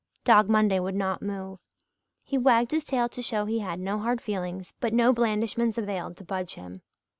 Dog Monday would not move. He wagged his tail to show he had no hard feelings but no blandishments availed to budge him.